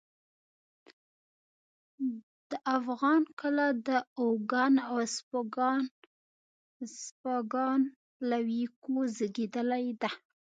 د افغان کله د اوگان او اسپاگان له ويوکو زېږېدلې ده